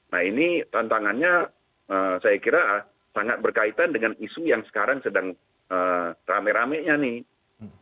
nah ini tantangannya saya kira sangat berkaitan dengan isu yang sekarang sedang rame ramenya nih